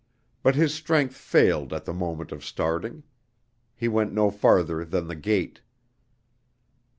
But his strength failed at the moment of starting. He went no farther than the gate.